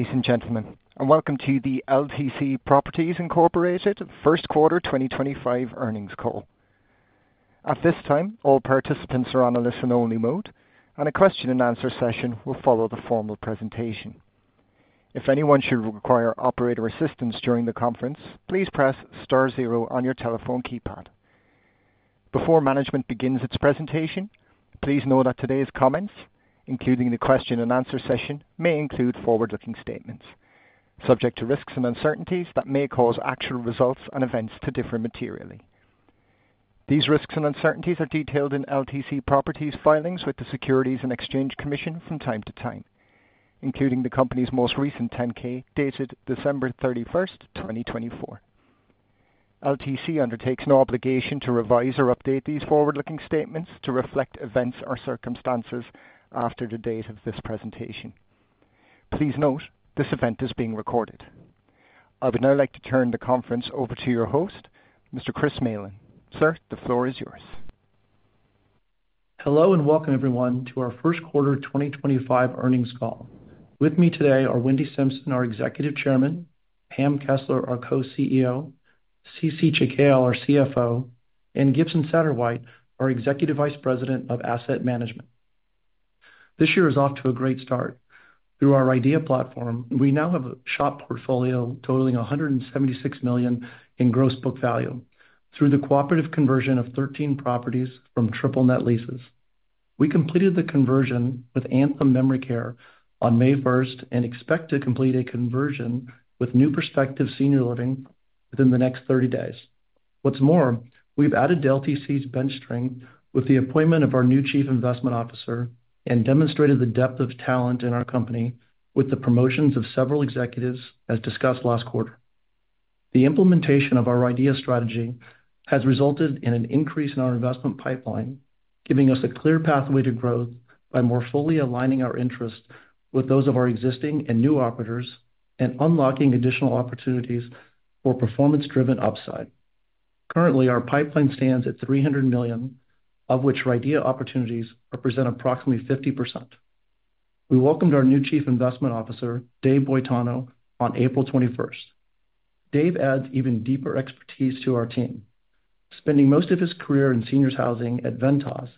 Ladies and gentlemen, welcome to the LTC Properties Incorporation First Quarter 2025 earnings call. At this time, all participants are on a listen-only mode, and a question-and-answer session will follow the formal presentation. If anyone should require operator assistance during the conference, please press star zero on your telephone keypad. Before management begins its presentation, please know that today's comments, including the question-and-answer session, may include forward-looking statements subject to risks and uncertainties that may cause actual results and events to differ materially. These risks and uncertainties are detailed in LTC Properties' filings with the Securities and Exchange Commission from time to time, including the company's most recent 10-K dated December 31, 2024. LTC undertakes no obligation to revise or update these forward-looking statements to reflect events or circumstances after the date of this presentation. Please note this event is being recorded. I would now like to turn the conference over to your host, Mr. Clint Malin. Sir, the floor is yours. Hello and welcome, everyone, to our First Quarter 2025 earnings call. With me today are Wendy Simpson, our Executive Chairman; Pam Kessler, our Co-CEO; Cece Chikhale, our CFO; and Gibson Satterwhite, our Executive Vice President of Asset Management. This year is off to a great start. Through our RIDEA platform, we now have a shop portfolio totaling $176 million in gross book value through the cooperative conversion of 13 properties from triple net leases. We completed the conversion with Anthem Memory Care on May 1 and expect to complete a conversion with New Perspective Senior Living within the next 30 days. What's more, we've added to LTC's bench strength with the appointment of our new Chief Investment Officer and demonstrated the depth of talent in our company with the promotions of several executives, as discussed last quarter. The implementation of our RIDEA strategy has resulted in an increase in our investment pipeline, giving us a clear pathway to growth by more fully aligning our interests with those of our existing and new operators and unlocking additional opportunities for performance-driven upside. Currently, our pipeline stands at $300 million, of which RIDEA opportunities represent approximately 50%. We welcomed our new Chief Investment Officer, Dave Boitano, on April 21st. Dave adds even deeper expertise to our team. Spending most of his career in seniors housing at Ventas,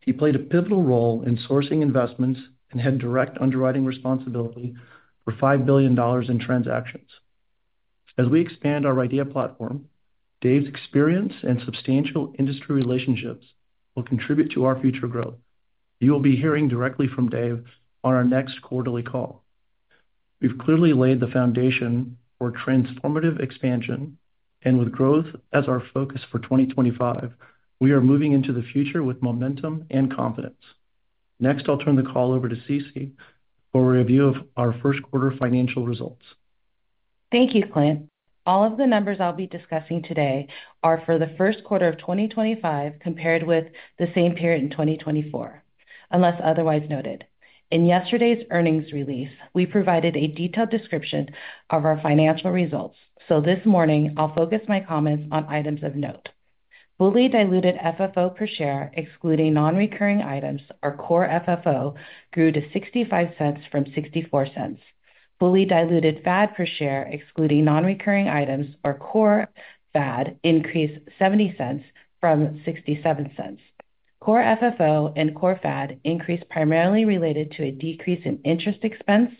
he played a pivotal role in sourcing investments and had direct underwriting responsibility for $5 billion in transactions. As we expand our RIDEA platform, Dave's experience and substantial industry relationships will contribute to our future growth. You will be hearing directly from Dave on our next quarterly call. We've clearly laid the foundation for transformative expansion, and with growth as our focus for 2025, we are moving into the future with momentum and confidence. Next, I'll turn the call over to Cece for a review of our first quarter financial results. Thank you, Clint. All of the numbers I'll be discussing today are for the first quarter of 2025 compared with the same period in 2024, unless otherwise noted. In yesterday's earnings release, we provided a detailed description of our financial results, so this morning I'll focus my comments on items of note. Fully diluted FFO per share, excluding non-recurring items, our core FFO grew to $0.65 from $0.64. Fully diluted FAD per share, excluding non-recurring items, our core FAD increased to $0.70 from $0.67. Core FFO and core FAD increased primarily related to a decrease in interest expense,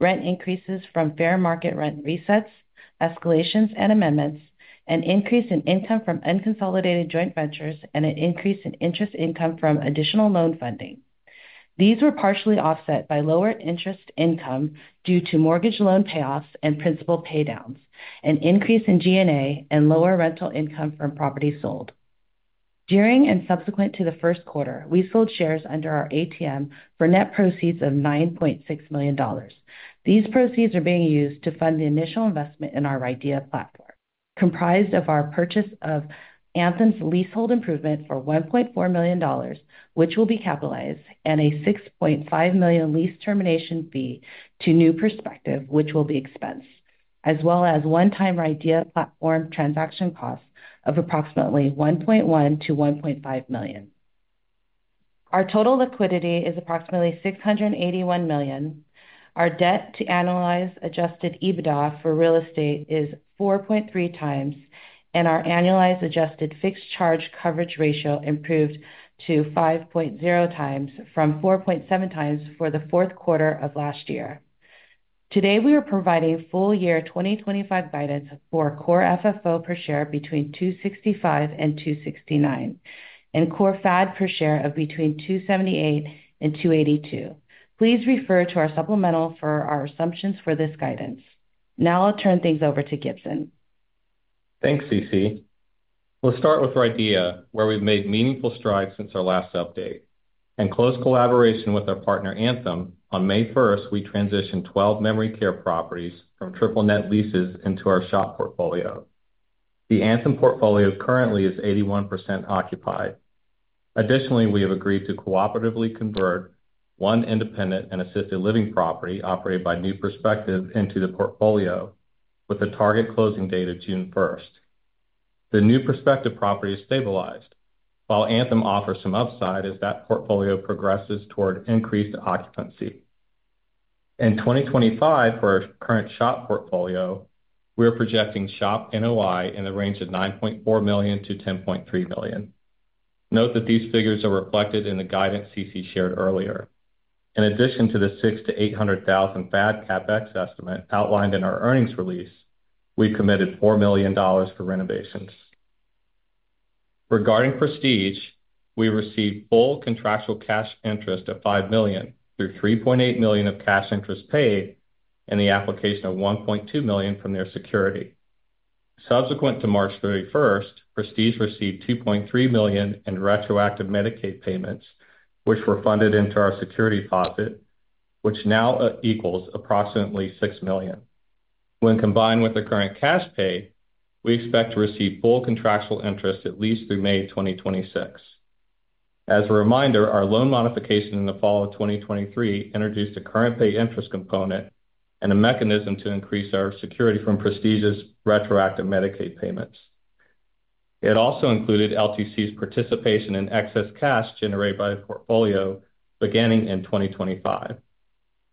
rent increases from fair market rent resets, escalations and amendments, an increase in income from unconsolidated joint ventures, and an increase in interest income from additional loan funding. These were partially offset by lower interest income due to mortgage loan payoffs and principal paydowns, an increase in G&A, and lower rental income from properties sold. During and subsequent to the first quarter, we sold shares under our ATM for net proceeds of $9.6 million. These proceeds are being used to fund the initial investment in our RIDEA platform, comprised of our purchase of Anthem's leasehold improvement for $1.4 million, which will be capitalized, and a $6.5 million lease termination fee to New Perspective, which will be expensed, as well as one-time RIDEA platform transaction costs of approximately $1.1-$1.5 million. Our total liquidity is approximately $681 million. Our debt-to-annualized Adjusted EBITDA for real estate is 4.3 times, and our annualized adjusted fixed charge coverage ratio improved to 5.0 times from 4.7 times for the fourth quarter of last year. Today, we are providing full year 2025 guidance for core FFO per share between $2.65 and $2.69, and core FAD per share of between $2.78 and $2.82. Please refer to our supplemental for our assumptions for this guidance. Now I'll turn things over to Gibson. Thanks, Cece. We'll start with RIDEA, where we've made meaningful strides since our last update. In close collaboration with our partner Anthem, on May 1, we transitioned 12 memory care properties from triple net leases into our shop portfolio. The Anthem portfolio currently is 81% occupied. Additionally, we have agreed to cooperatively convert one independent and assisted living property operated by New Perspective into the portfolio with a target closing date of June 1. The New Perspective property is stabilized, while Anthem offers some upside as that portfolio progresses toward increased occupancy. In 2025, for our current shop portfolio, we are projecting shop NOI in the range of $9.4 million-$10.3 million. Note that these figures are reflected in the guidance Cece shared earlier. In addition to the $600,000-$800,000 FAD CapEx estimate outlined in our earnings release, we've committed $4 million for renovations. Regarding Prestige, we received full contractual cash interest of $5 million through $3.8 million of cash interest paid and the application of $1.2 million from their security. Subsequent to March 31, Prestige received $2.3 million in retroactive Medicaid payments, which were funded into our security deposit, which now equals approximately $6 million. When combined with the current cash paid, we expect to receive full contractual interest at least through May 2026. As a reminder, our loan modification in the fall of 2023 introduced a current pay interest component and a mechanism to increase our security from Prestige's retroactive Medicaid payments. It also included LTC's participation in excess cash generated by the portfolio beginning in 2025.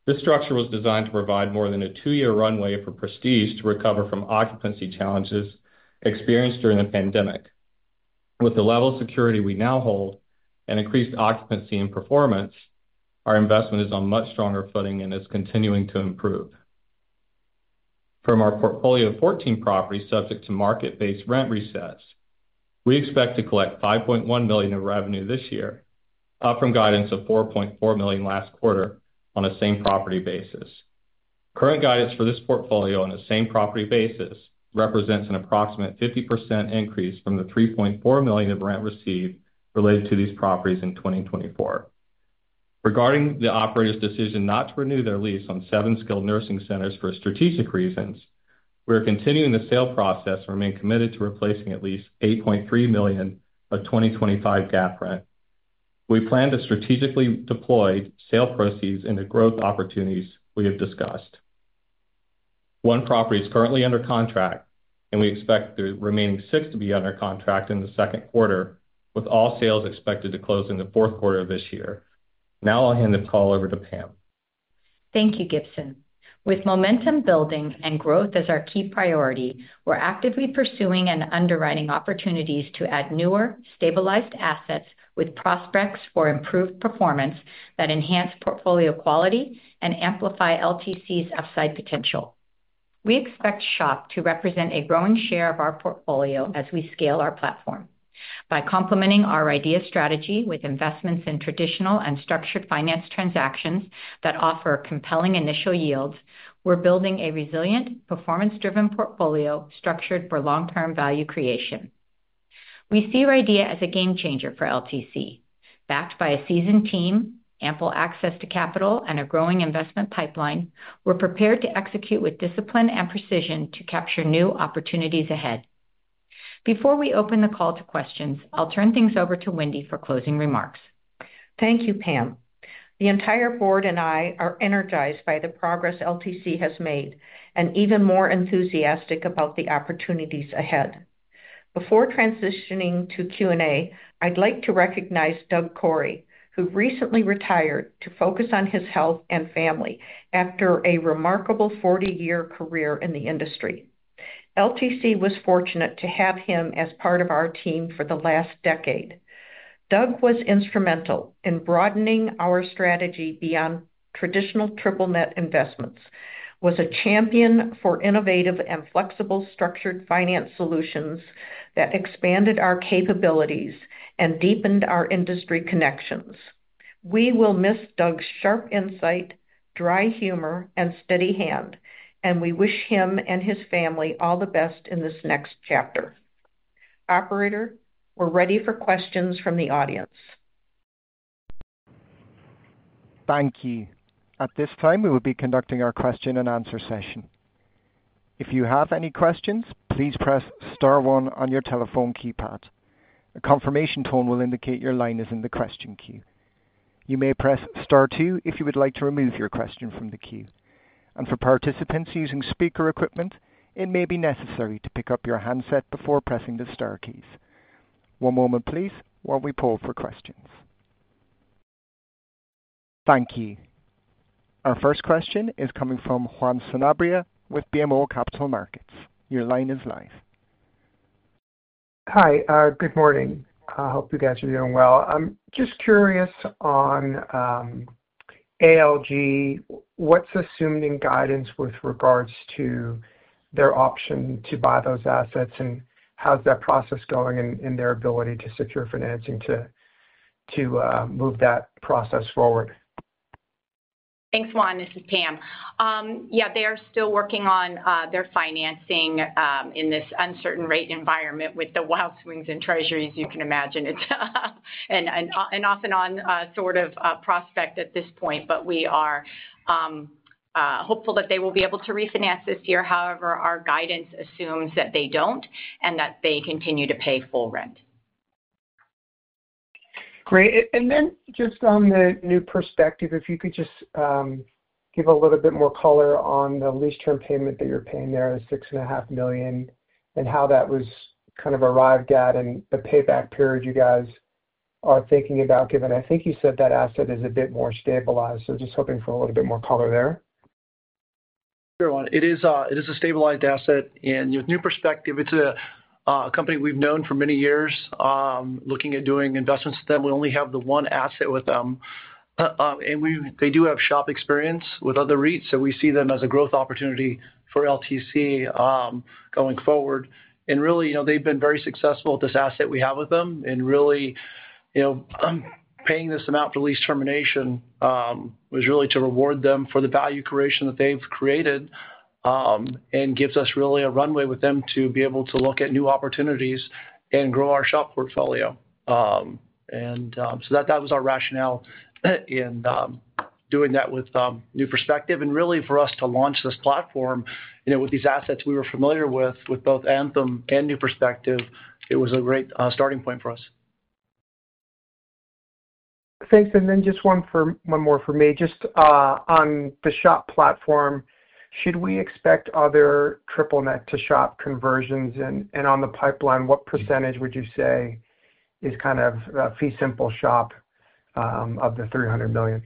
This structure was designed to provide more than a two-year runway for Prestige to recover from occupancy challenges experienced during the pandemic. With the level of security we now hold and increased occupancy and performance, our investment is on much stronger footing and is continuing to improve. From our portfolio of 14 properties subject to market-based rent resets, we expect to collect $5.1 million of revenue this year, up from guidance of $4.4 million last quarter on a same property basis. Current guidance for this portfolio on a same property basis represents an approximate 50% increase from the $3.4 million of rent received related to these properties in 2024. Regarding the operator's decision not to renew their lease on seven skilled nursing centers for strategic reasons, we are continuing the sale process and remain committed to replacing at least $8.3 million of 2025 gap rent. We plan to strategically deploy sale proceeds into growth opportunities we have discussed. One property is currently under contract, and we expect the remaining six to be under contract in the second quarter, with all sales expected to close in the fourth quarter of this year. Now I'll hand the call over to Pam. Thank you, Gibson. With momentum building and growth as our key priority, we're actively pursuing and underwriting opportunities to add newer, stabilized assets with prospects for improved performance that enhance portfolio quality and amplify LTC's upside potential. We expect shop to represent a growing share of our portfolio as we scale our platform. By complementing our RIDEA strategy with investments in traditional and structured finance transactions that offer compelling initial yields, we're building a resilient, performance-driven portfolio structured for long-term value creation. We see our RIDEA as a game changer for LTC. Backed by a seasoned team, ample access to capital, and a growing investment pipeline, we're prepared to execute with discipline and precision to capture new opportunities ahead. Before we open the call to questions, I'll turn things over to Wendy for closing remarks. Thank you, Pam. The entire board and I are energized by the progress LTC has made and even more enthusiastic about the opportunities ahead. Before transitioning to Q&A, I'd like to recognize Doug Corey, who recently retired to focus on his health and family after a remarkable 40-year career in the industry. LTC was fortunate to have him as part of our team for the last decade. Doug was instrumental in broadening our strategy beyond traditional triple net investments, was a champion for innovative and flexible structured finance solutions that expanded our capabilities and deepened our industry connections. We will miss Doug's sharp insight, dry humor, and steady hand, and we wish him and his family all the best in this next chapter. Operator, we're ready for questions from the audience. Thank you. At this time, we will be conducting our question-and-answer session. If you have any questions, please press star one on your telephone keypad. A confirmation tone will indicate your line is in the question queue. You may press star two if you would like to remove your question from the queue. For participants using speaker equipment, it may be necessary to pick up your handset before pressing the star keys. One moment, please, while we poll for questions. Thank you. Our first question is coming from Juan Sanabria with BMO Capital Markets. Your line is live. Hi, good morning. I hope you guys are doing well. I'm just curious on ALG, what's assumed in guidance with regards to their option to buy those assets, and how's that process going in their ability to secure financing to move that process forward? Thanks, Juan. This is Pam. Yeah, they are still working on their financing in this uncertain rate environment with the wild swings in Treasuries, you can imagine. It's an off-and-on sort of prospect at this point, but we are hopeful that they will be able to refinance this year. However, our guidance assumes that they don't and that they continue to pay full rent. Great. Then just on the New Perspective, if you could just give a little bit more color on the lease term payment that you're paying there of $6.5 million and how that was kind of arrived at and the payback period you guys are thinking about, given I think you said that asset is a bit more stabilized. Just hoping for a little bit more color there. Sure. It is a stabilized asset. With New Perspective, it's a company we've known for many years. Looking at doing investments with them, we only have the one asset with them. They do have shop experience with other REITs, so we see them as a growth opportunity for LTC going forward. They have been very successful with this asset we have with them. Paying this amount for lease termination was to reward them for the value creation that they've created and gives us a runway with them to be able to look at new opportunities and grow our shop portfolio. That was our rationale in doing that with New Perspective. For us to launch this platform with these assets we were familiar with, with both Anthem and New Perspective, it was a great starting point for us. Thanks. Just one more for me. Just on the shop platform, should we expect other triple net to shop conversions? On the pipeline, what percentage would you say is kind of fee simple shop of the $300 million?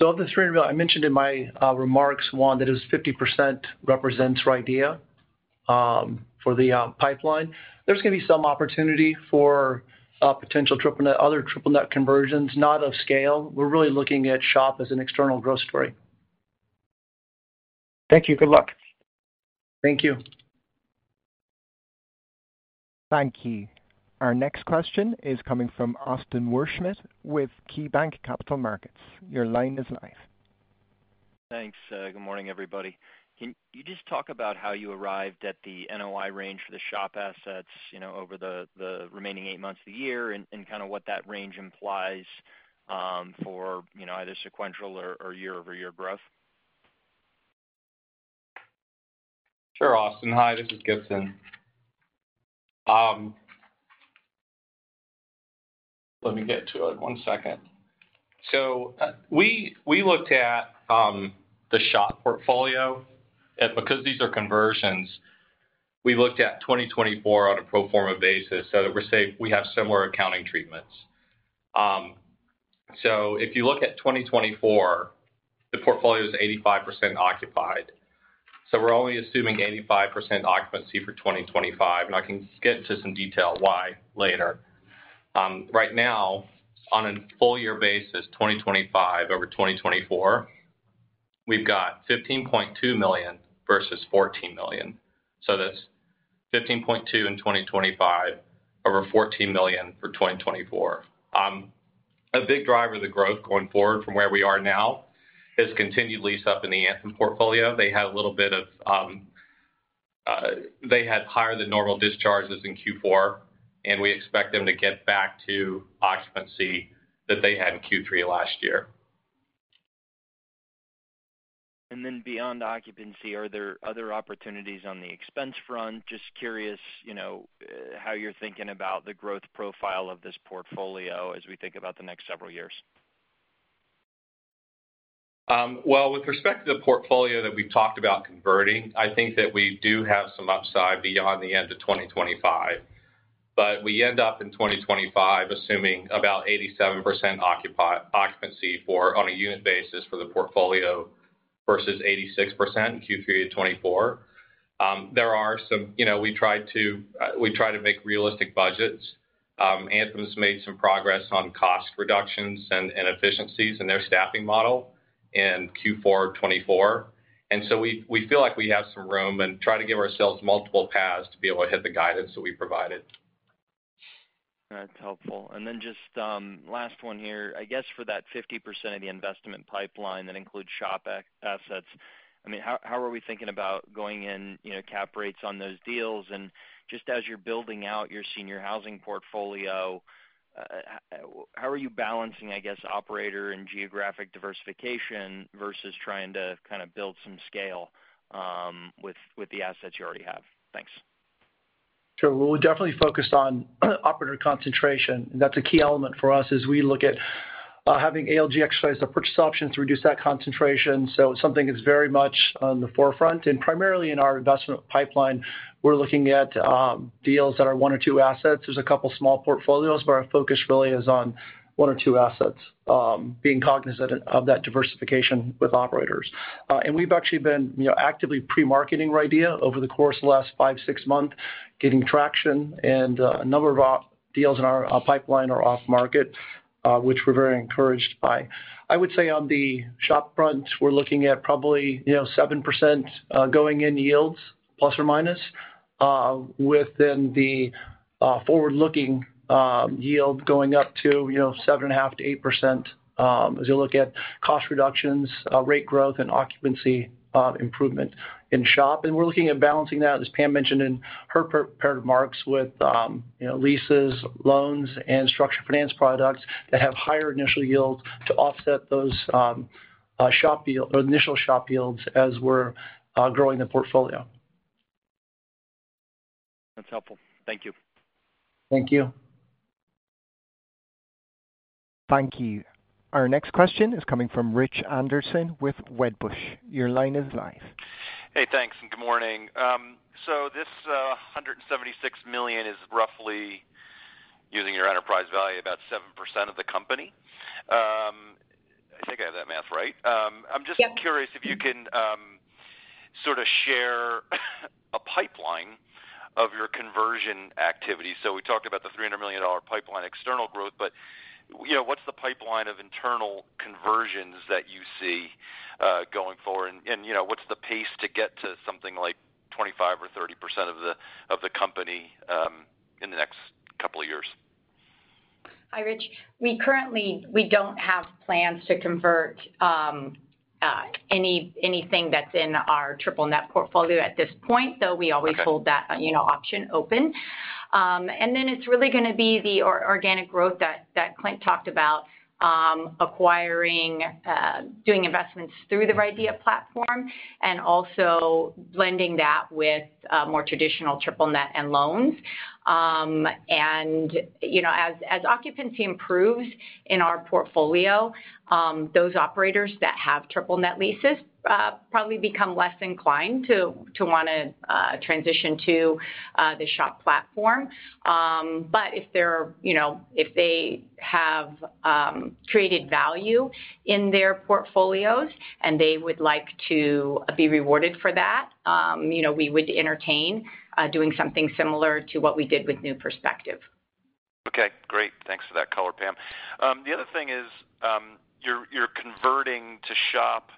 Of the $300 million, I mentioned in my remarks, Juan, that it was 50% represents RIDEA for the pipeline. There is going to be some opportunity for potential other triple net conversions, not of scale. We are really looking at shop as an external growth story. Thank you. Good luck. Thank you. Thank you. Our next question is coming from Austin Worshmidt with KeyBanc Capital Markets. Your line is live. Thanks. Good morning, everybody. Can you just talk about how you arrived at the NOI range for the shop assets over the remaining eight months of the year and kind of what that range implies for either sequential or year-over-year growth? Sure, Austin. Hi, this is Gibson. Let me get to it. One second. We looked at the shop portfolio. Because these are conversions, we looked at 2024 on a pro forma basis so that we are safe we have similar accounting treatments. If you look at 2024, the portfolio is 85% occupied. We are only assuming 85% occupancy for 2025. I can get into some detail why later. Right now, on a full-year basis, 2025 over 2024, we have $15.2 million versus $14 million. That is $15.2 in 2025 over $14 million for 2024. A big driver of the growth going forward from where we are now is continued lease up in the Anthem portfolio. They had a little bit of, they had higher than normal discharges in Q4, and we expect them to get back to occupancy that they had in Q3 last year. Beyond occupancy, are there other opportunities on the expense front? Just curious how you're thinking about the growth profile of this portfolio as we think about the next several years. With respect to the portfolio that we've talked about converting, I think that we do have some upside beyond the end of 2025. We end up in 2025 assuming about 87% occupancy on a unit basis for the portfolio versus 86% in Q3 of 2024. There are some we tried to make realistic budgets. Anthem's made some progress on cost reductions and efficiencies in their staffing model in Q4 of 2024. We feel like we have some room and try to give ourselves multiple paths to be able to hit the guidance that we provided. That's helpful. Just last one here. I guess for that 50% of the investment pipeline that includes shop assets, I mean, how are we thinking about going in cap rates on those deals? Just as you're building out your senior housing portfolio, how are you balancing, I guess, operator and geographic diversification versus trying to kind of build some scale with the assets you already have? Thanks. Sure. We'll definitely focus on operator concentration. That's a key element for us as we look at having ALG exercise a purchase option to reduce that concentration. It's something that's very much on the forefront. Primarily in our investment pipeline, we're looking at deals that are one or two assets. There's a couple of small portfolios, but our focus really is on one or two assets, being cognizant of that diversification with operators. We've actually been actively pre-marketing RIDEA over the course of the last five, six months, getting traction. A number of deals in our pipeline are off-market, which we're very encouraged by. I would say on the shop front, we're looking at probably 7% going-in yields, plus or minus, with the forward-looking yield going up to 7.5-8% as you look at cost reductions, rate growth, and occupancy improvement in shop. We are looking at balancing that, as Pam mentioned in her prepared remarks, with leases, loans, and structured finance products that have higher initial yields to offset those initial shop yields as we are growing the portfolio. That's helpful. Thank you. Thank you. Thank you. Our next question is coming from Rich Anderson with Wedbush. Your line is live. Hey, thanks. And good morning. This $176 million is roughly, using your enterprise value, about 7% of the company. I think I have that math right. I'm just curious if you can sort of share a pipeline of your conversion activity. We talked about the $300 million pipeline external growth, but what's the pipeline of internal conversions that you see going forward? What's the pace to get to something like 25% or 30% of the company in the next couple of years? Hi, Rich. We currently do not have plans to convert anything that is in our triple-net portfolio at this point, though we always hold that option open. It is really going to be the organic growth that Clint talked about, acquiring, doing investments through the RIDEA platform, and also blending that with more traditional triple-net and loans. As occupancy improves in our portfolio, those operators that have triple-net leases probably become less inclined to want to transition to the shop platform. If they have created value in their portfolios and they would like to be rewarded for that, we would entertain doing something similar to what we did with New Perspective. Okay. Great. Thanks for that color, Pam. The other thing is you're converting to shop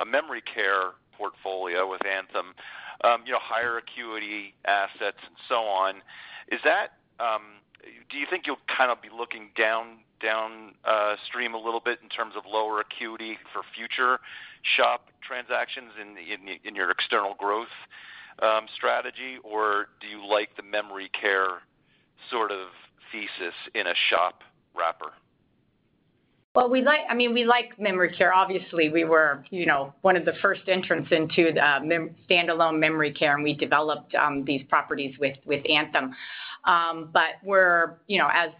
a memory care portfolio with Anthem, higher acuity assets, and so on. Do you think you'll kind of be looking downstream a little bit in terms of lower acuity for future shop transactions in your external growth strategy, or do you like the memory care sort of thesis in a shop wrapper? I mean, we like memory care. Obviously, we were one of the first entrants into standalone memory care, and we developed these properties with Anthem. As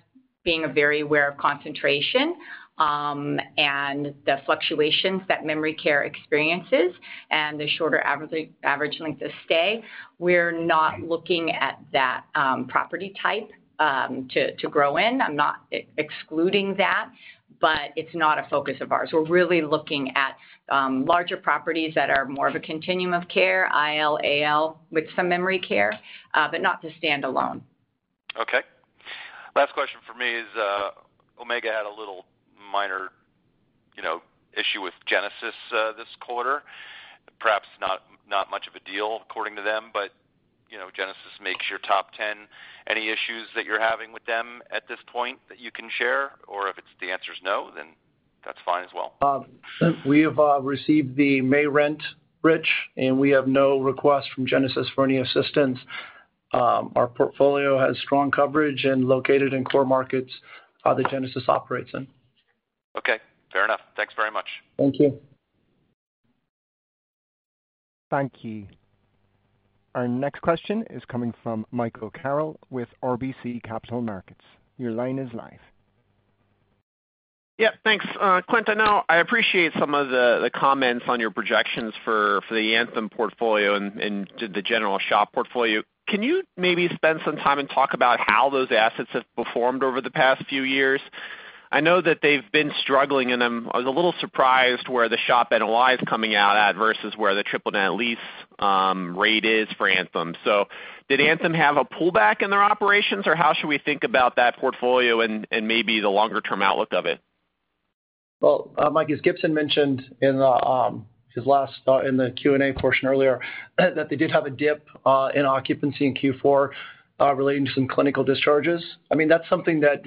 being very aware of concentration and the fluctuations that memory care experiences and the shorter average length of stay, we're not looking at that property type to grow in. I'm not excluding that, but it's not a focus of ours. We're really looking at larger properties that are more of a continuum of care, IL, AL, with some memory care, but not the standalone. Okay. Last question for me is Omega had a little minor issue with Genesis this quarter. Perhaps not much of a deal according to them, but Genesis makes your top 10. Any issues that you're having with them at this point that you can share? If the answer is no, then that's fine as well. We have received the May rent, Rich, and we have no request from Genesis for any assistance. Our portfolio has strong coverage and is located in core markets that Genesis operates in. Okay. Fair enough. Thanks very much. Thank you. Thank you. Our next question is coming from Michael Carroll with RBC Capital Markets. Your line is live. Yeah. Thanks, Clint. I know I appreciate some of the comments on your projections for the Anthem portfolio and the general shop portfolio. Can you maybe spend some time and talk about how those assets have performed over the past few years? I know that they've been struggling, and I was a little surprised where the shop NOI is coming out at versus where the triple net lease rate is for Anthem. Did Anthem have a pullback in their operations, or how should we think about that portfolio and maybe the longer-term outlook of it? Like, as Gibson mentioned in his last in the Q&A portion earlier, they did have a dip in occupancy in Q4 relating to some clinical discharges. I mean, that's something that,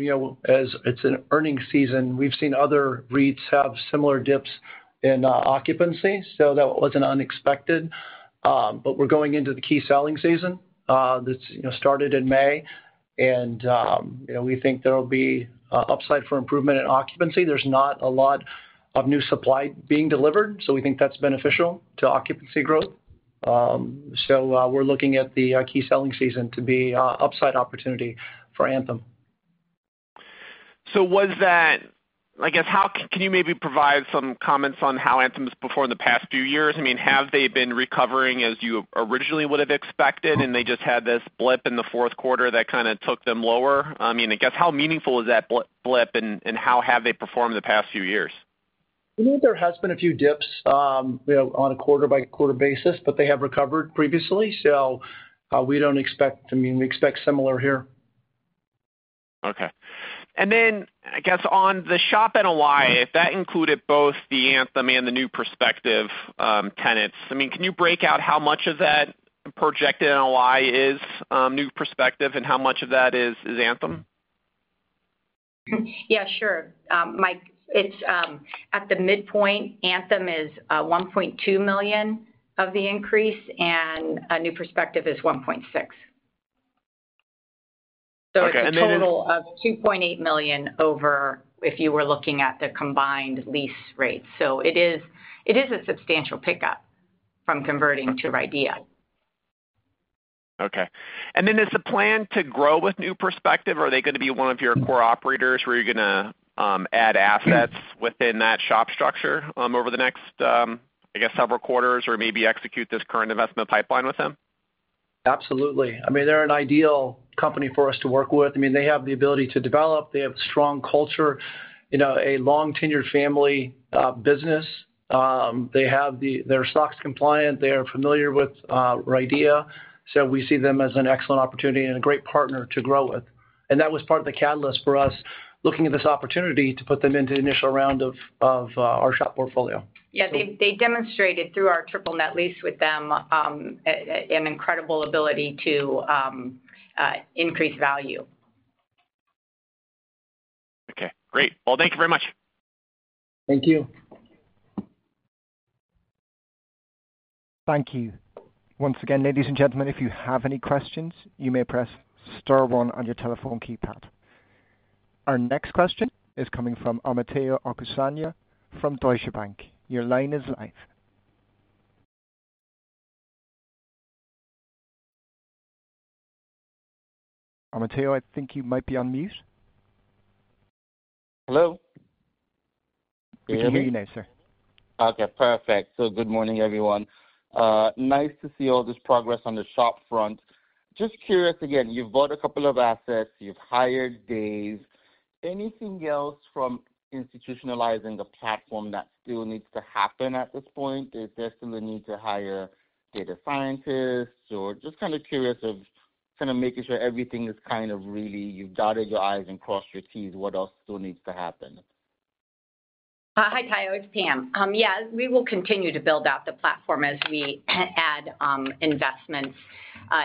as it's an earning season, we've seen other REITs have similar dips in occupancy. That wasn't unexpected. We're going into the key selling season that started in May, and we think there will be upside for improvement in occupancy. There's not a lot of new supply being delivered, so we think that's beneficial to occupancy growth. We're looking at the key selling season to be an upside opportunity for Anthem. I guess, can you maybe provide some comments on how Anthem has performed the past few years? I mean, have they been recovering as you originally would have expected, and they just had this blip in the fourth quarter that kind of took them lower? I mean, I guess, how meaningful was that blip, and how have they performed the past few years? I mean, there have been a few dips on a quarter-by-quarter basis, but they have recovered previously. We do not expect—I mean, we expect similar here. Okay. And then, I guess, on the shop NOI, if that included both the Anthem and the New Perspective tenants, I mean, can you break out how much of that projected NOI is New Perspective and how much of that is Anthem? Yeah, sure. Mike, it's at the midpoint. Anthem is $1.2 million of the increase, and New Perspective is $1.6 million. Okay. And then. It is a total of $2.8 million over if you were looking at the combined lease rate. It is a substantial pickup from converting to RIDEA. Okay. Is the plan to grow with New Perspective? Are they going to be one of your core operators where you're going to add assets within that shop structure over the next, I guess, several quarters or maybe execute this current investment pipeline with them? Absolutely. I mean, they're an ideal company for us to work with. I mean, they have the ability to develop. They have a strong culture, a long-tenured family business. They're SOX compliant. They are familiar with RIDEA. We see them as an excellent opportunity and a great partner to grow with. That was part of the catalyst for us looking at this opportunity to put them into the initial round of our shop portfolio. Yeah. They demonstrated through our triple net lease with them an incredible ability to increase value. Okay. Great. Thank you very much. Thank you. Thank you. Once again, ladies and gentlemen, if you have any questions, you may press star one on your telephone keypad. Our next question is coming from Omotayo Okusanya from Deutsche Bank. Your line is live. Omotayo, I think you might be on mute. Hello? We can hear you now, sir. Okay. Perfect. Good morning, everyone. Nice to see all this progress on the shop front. Just curious again, you've bought a couple of assets. You've hired Dave. Anything else from institutionalizing the platform that still needs to happen at this point? Is there still a need to hire data scientists? Just kind of curious of kind of making sure everything is really—you've dotted your i's and crossed your t's. What else still needs to happen? Hi, It's Pam. Yeah. We will continue to build out the platform as we add investments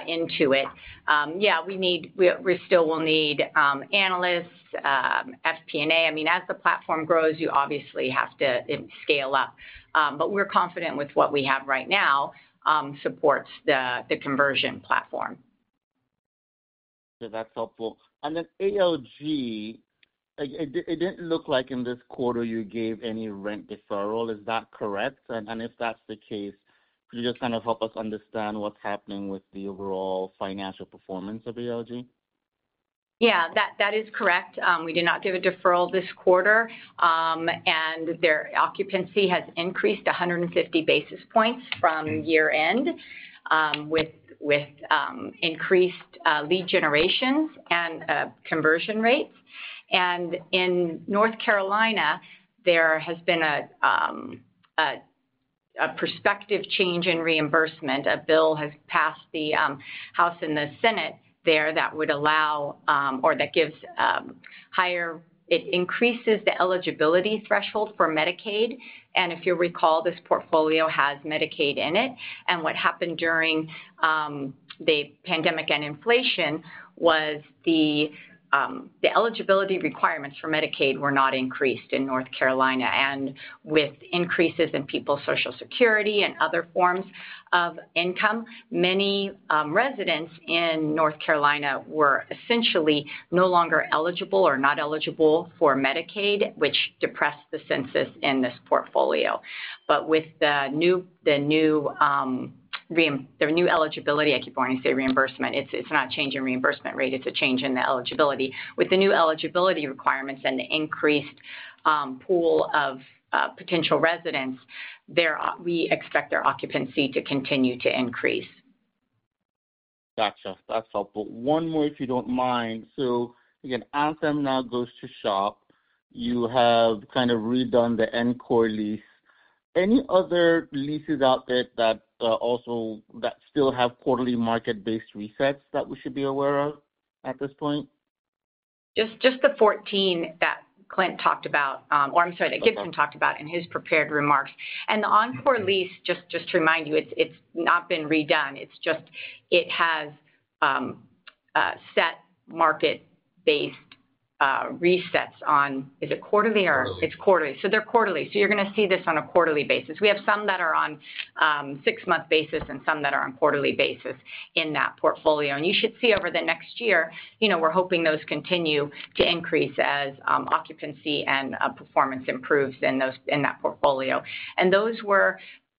into it. Yeah. We still will need analysts, FP&A. I mean, as the platform grows, you obviously have to scale up. We are confident with what we have right now supports the conversion platform. That's helpful. ALG, it didn't look like in this quarter you gave any rent deferral. Is that correct? If that's the case, could you just kind of help us understand what's happening with the overall financial performance of ALG? Yeah. That is correct. We did not give a deferral this quarter. Their occupancy has increased 150 basis points from year-end with increased lead generations and conversion rates. In North Carolina, there has been a prospective change in reimbursement. A bill has passed the House and the Senate there that would allow or that gives higher—it increases the eligibility threshold for Medicaid. If you recall, this portfolio has Medicaid in it. What happened during the pandemic and inflation was the eligibility requirements for Medicaid were not increased in North Carolina. With increases in people's Social Security and other forms of income, many residents in North Carolina were essentially no longer eligible or not eligible for Medicaid, which depressed the census in this portfolio. With the new eligibility—I keep wanting to say reimbursement. It is not a change in reimbursement rate. It's a change in the eligibility. With the new eligibility requirements and the increased pool of potential residents, we expect their occupancy to continue to increase. Gotcha. That's helpful. One more, if you don't mind. Again, Anthem now goes to shop. You have kind of redone the NCORR lease. Any other leases out there that still have quarterly market-based resets that we should be aware of at this point? Just the 14 that Clint talked about, or I'm sorry, that Gibson talked about in his prepared remarks. The on-court lease, just to remind you, it's not been redone. It just has set market-based resets on—is it quarterly or? Quarterly. It's quarterly. They're quarterly. You're going to see this on a quarterly basis. We have some that are on a six-month basis and some that are on a quarterly basis in that portfolio. You should see over the next year, we're hoping those continue to increase as occupancy and performance improves in that portfolio.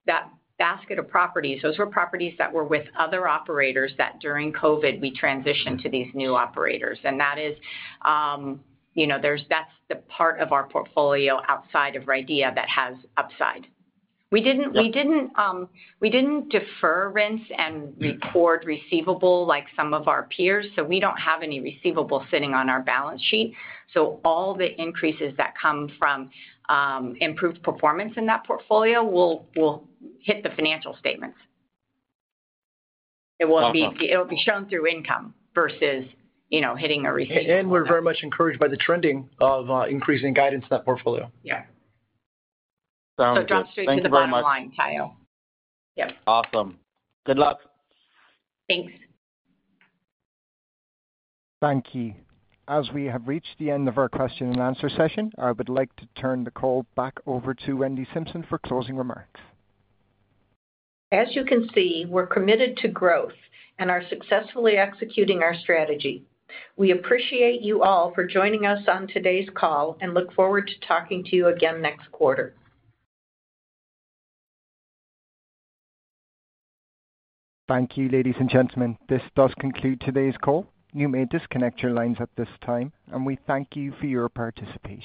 That basket of properties, those were properties that were with other operators that during COVID, we transitioned to these new operators. That is the part of our portfolio outside of RIDEA that has upside. We didn't defer rents and record receivable like some of our peers. We don't have any receivable sitting on our balance sheet. All the increases that come from improved performance in that portfolio will hit the financial statements. It will be shown through income versus hitting a receivable. We are very much encouraged by the trending of increasing guidance in that portfolio. Yeah. Sounds good. John, stay tuned online, Kyle. Thank you very much. Yep. Awesome. Good luck. Thanks. Thank you. As we have reached the end of our question-and-answer session, I would like to turn the call back over to Wendy Simpson for closing remarks. As you can see, we're committed to growth and are successfully executing our strategy. We appreciate you all for joining us on today's call and look forward to talking to you again next quarter. Thank you, ladies and gentlemen. This does conclude today's call. You may disconnect your lines at this time, and we thank you for your participation.